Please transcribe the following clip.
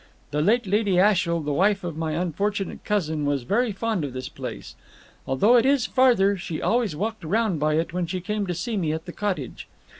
The late Lady Ashiel, the wife of my unfortunate cousin, was very fond of this place. Although it is farther, she always walked round by it when she came to see me at the cottage.